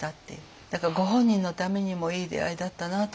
だからご本人のためにもいい出会いだったなと思います。